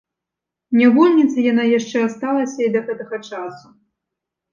Нявольніца яна яшчэ асталася і да гэтага часу.